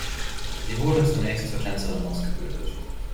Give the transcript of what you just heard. Sie wurde zunächst zur Tänzerin ausgebildet.